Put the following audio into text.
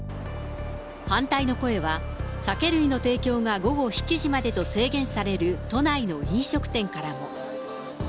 反対の声は酒類の提供が午後７時までと制限される都内の飲食店からも。